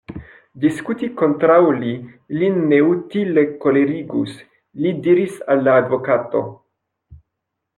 Diskuti kontraŭ li lin neutile kolerigus, li diris al la advokato.